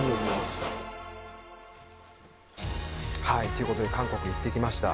ということで韓国、行ってきました。